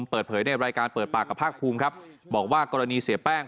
เปิดเผยในรายการเปิดปากกับภาคภูมิครับบอกว่ากรณีเสียแป้ง